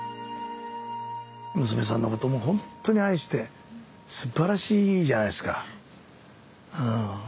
娘さんのこともほんとに愛してすばらしいじゃないですか。